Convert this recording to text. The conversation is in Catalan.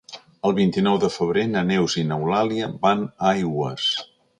El vint-i-nou de febrer na Neus i n'Eulàlia van a Aigües.